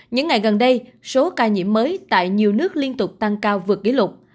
những ngày gần đây số ca nhiễm mới tại nhiều nước liên tục tăng cao vượt kỷ lục